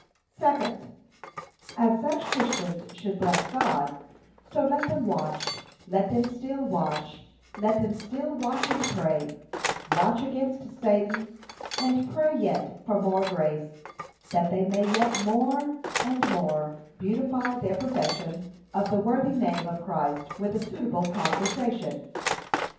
Second, As such Christians should bless God, so let them watch, let them still watch, let them still watch and pray, watch against Satan, and pray yet for more grace, that they may yet more and more beautify their profession of the worthy name of Christ with a suitable conversation.